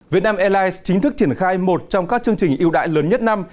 việt nam airlines chính thức triển khai một trong các chương trình yêu đại lớn nhất năm